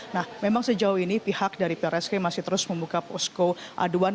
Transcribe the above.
nah memang sejauh ini pihak dari prskrim masih terus membuka posko aduan